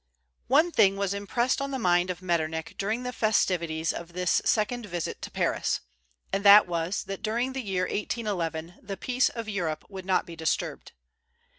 One thing was impressed on the mind of Metternich during the festivities of this second visit to Paris; and that was that during the year 1811 the peace of Europe would not be disturbed.